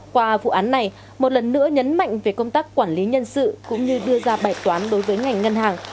qua vụ án này một lần nữa nhấn mạnh về công tác quản lý nhân sự cũng như đưa ra bài toán đối với ngành ngân hàng